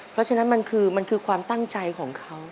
เพราะฉะนั้นมันคือมันคือความตั้งใจของเขา